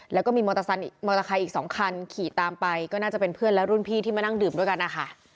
แล้วก็มีมอเตอร์ไซค์อีก๒คันขี่ตามไปก็น่าจะเป็นเพื่อนและรุ่นพี่ที่มานั่งดื่มด้วยกันนะคะ